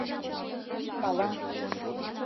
Пеш пала: